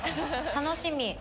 楽しみ。